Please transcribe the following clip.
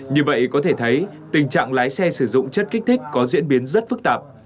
như vậy có thể thấy tình trạng lái xe sử dụng chất kích thích có diễn biến rất phức tạp